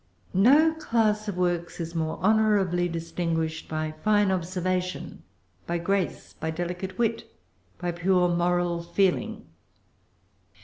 No class of works is more honorably distinguished by fine observation, by grace, by delicate wit, by pure moral feeling.